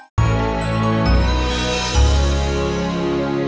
ibu saya udah makan atau belum